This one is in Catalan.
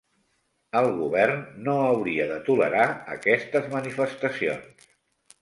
El govern no hauria de tolerar aquestes manifestacions.